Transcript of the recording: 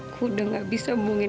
aku udah nggak bisa bumbungin